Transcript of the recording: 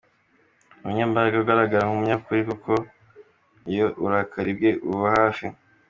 Ni umunyembaraga, ugaragara nk’umunyakuri ariko iyo uburakari bwe buba hafi.